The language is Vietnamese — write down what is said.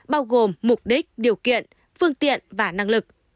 bao gồm mục đích điều kiện phương tiện và năng lực